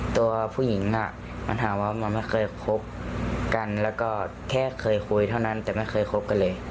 ตัวผู้หญิงค่ะมันหาว่ามันไม่เคยคบ